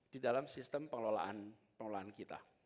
di dalam sistem pengelolaan pengelolaan kita